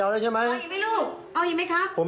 เอาอีกไหมเอาอีกไหม